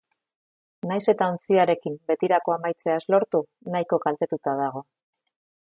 Nahiz eta ontziarekin betirako amaitzea ez lortu, nahiko kaltetuta dago.